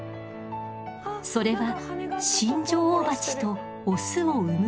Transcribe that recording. それは新女王蜂とオスを産むこと。